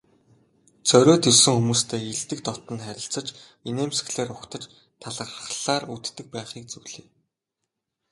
Зориод ирсэн хүмүүстэй эелдэг дотно харилцаж, инээмсэглэлээр угтаж, талархлаар үддэг байхыг зөвлөе.